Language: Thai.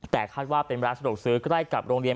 แต่คาดว่าเป็นร้านสะดวกซื้อใกล้กับโรงเรียน